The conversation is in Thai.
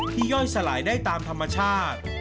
ย่อยสลายได้ตามธรรมชาติ